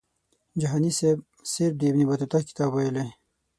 جهاني سیب صرف د ابن بطوطه کتاب ویلی.